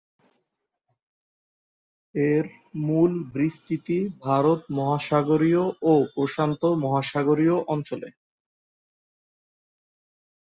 এর মূল বিস্তৃতি ভারত মহাসাগরীয় ও প্রশান্ত মহাসাগরীয় অঞ্চলে।